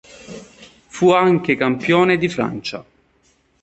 Fu anche campione di Francia.